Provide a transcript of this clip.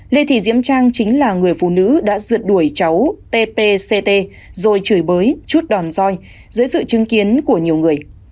lê thị diễm trang chính là người phụ nữ đã rượt đuổi cháu tct rồi chửi bới chút đòn roi dưới sự chứng kiến của nhiều người